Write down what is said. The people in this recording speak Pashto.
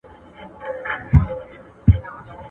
o د حلوا په ويلو خوله نه خوږه کېږي.